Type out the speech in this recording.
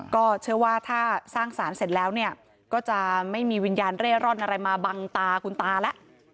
ก็เชื่อว่าถ้าสร้างสารเสร็จแล้วเนี่ยก็จะไม่มีวิญญาณเร่ร่อนอะไรมาบังตาคุณตาแล้ว